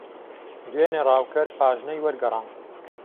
دوێنێ ڕاوکەر پاژنەی وەرگەڕاند.